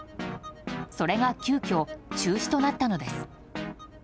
それが急きょ中止となったのです。